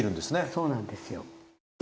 そうなんですよ。